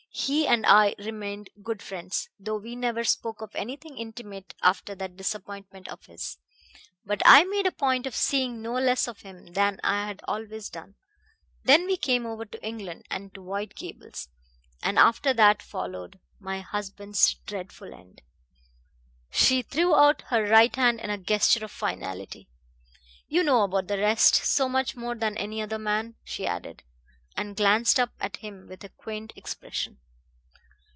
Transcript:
He and I remained good friends, though we never spoke of anything intimate after that disappointment of his; but I made a point of seeing no less of him than I had always done. Then we came over to England and to White Gables, and after that followed my husband's dreadful end." She threw out her right hand in a gesture of finality. "You know about the rest so much more than any other man," she added; and glanced up at him with a quaint expression.